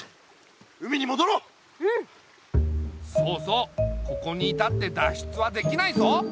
ここにいたって脱出はできないぞ。